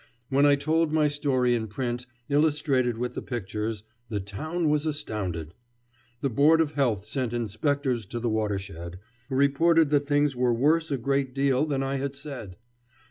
When I told my story in print, illustrated with the pictures, the town was astounded. The Board of Health sent inspectors to the watershed, who reported that things were worse a great deal than I had said.